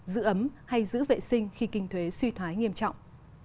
giữ ấm hay giữ vệ sinh khi kinh thuế suy thoái nghiêm trọng